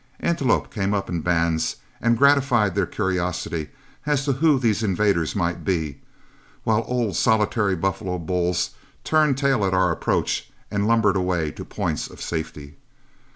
Antelope came up in bands and gratified their curiosity as to who these invaders might be, while old solitary buffalo bulls turned tail at our approach and lumbered away to points of safety.